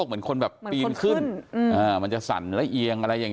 เหมือนคนแบบปีนขึ้นมันจะสั่นละเอียงอะไรอย่างนี้